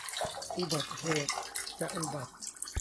อุบัติเหตุจะอุบัติ